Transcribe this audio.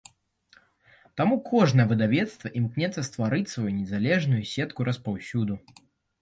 Таму кожнае выдавецтва імкнецца стварыць сваю незалежную сетку распаўсюду.